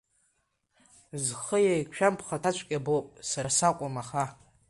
Зхы еиқәшәам бхаҭаҵәҟьа боуп, сара сакәым, аха.